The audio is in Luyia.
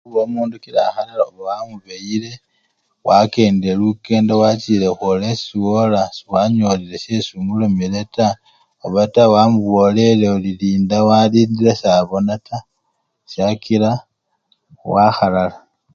Khuba omundu kila akhalala uba wamubeyile wakendile lukendo wachile khwola esii wola sewanyolile syesi omulomele taa obataa wamubolele oli linda walindile sabona taa syakila wakhalala